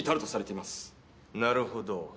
なるほど。